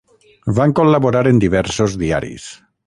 Van col·laborar en diversos diaris.